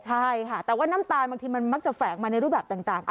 ใช่ค่ะแต่ว่าน้ำตาลบางทีมันมักจะแฝงมาในรูปแบบต่าง